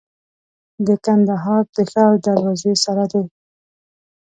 د کندهار د ښار دروازې سره دی.